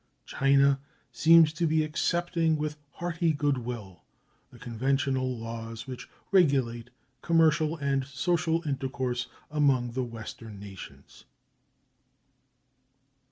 China seems to be accepting with hearty good will the conventional laws which regulate commercial and social intercourse among the Western nations.